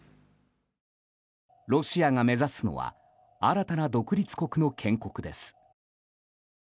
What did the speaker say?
ロシアが目指すのは新たな独立国の建国です。